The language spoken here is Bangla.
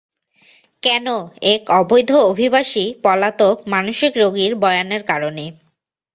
কেন, এক অবৈধ অভিবাসী, পলাতক, মানসিক রোগীর বয়ানের কারণে?